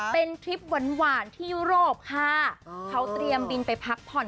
เป็นทริปหวานหวานที่ยุโรปค่ะเขาเตรียมบินไปพักผ่อน